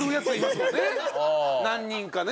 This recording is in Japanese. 何人かね。